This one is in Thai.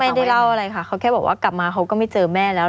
ไม่ได้เล่าอะไรค่ะเขาแค่บอกว่ากลับมาเขาก็ไม่เจอแม่แล้ว